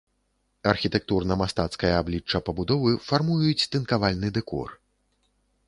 Архітэктурна-мастацкае аблічча пабудовы фармуюць тынкавальны дэкор.